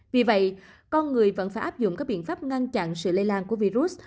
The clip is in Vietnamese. vì vậy con người vẫn phải áp dụng các biện pháp ngăn chặn sự lây lan của virus